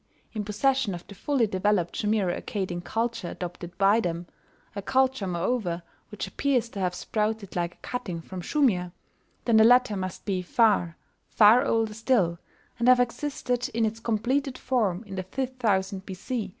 in possession of the fully developed Shumiro Accadian culture adopted by them a culture, moreover, which appears to have sprouted like a cutting from Shumir, then the latter must be far, far older still, and have existed in its completed form in the fifth thousand B.C.